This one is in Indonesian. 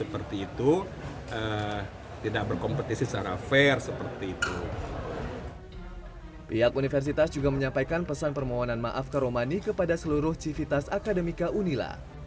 pihak universitas juga menyampaikan pesan permohonan maaf karomani kepada seluruh civitas akademika unila